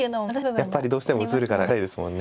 やっぱりどうしても映るから勝ちたいですもんね。